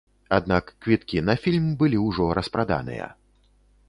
Аднак квіткі на фільм былі ўжо распраданыя.